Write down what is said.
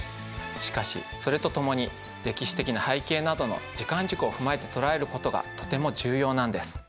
しかしそれとともに歴史的な背景などの時間軸を踏まえて捉えることがとても重要なんです。